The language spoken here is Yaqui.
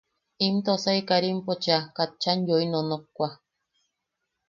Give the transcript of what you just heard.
Im Tosai Karimpo cheʼa katchan yoi nonokwa.